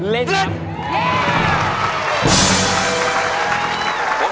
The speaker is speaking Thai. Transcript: เล่นครับ